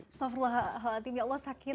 astaghfirullahaladzim ya allah sakit